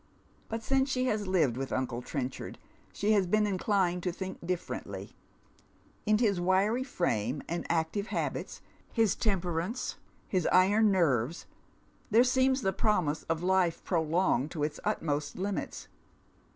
But since she has lived with uncle Trenchard she has been inclined to think differently. In his %viry frame and active habits, his temperance, his iron nerves, there seems the promise of life prolonged to its utmost hmits.